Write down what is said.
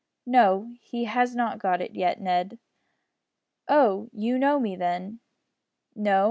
"No he has not got it yet, Ned." "Oh! you know me then?" "No.